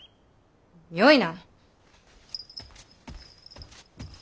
よいな！